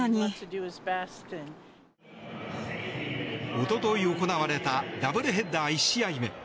おととい行われたダブルヘッダー１試合目。